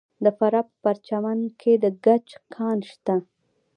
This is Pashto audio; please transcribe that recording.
د فراه په پرچمن کې د ګچ کان شته.